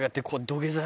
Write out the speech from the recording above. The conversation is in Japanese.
土下座？